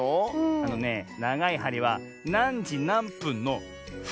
あのねながいはりはなんじなんぷんの「ふん」のぶぶんだね。